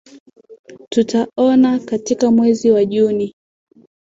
Tutaoana katika mwezi wa Juni.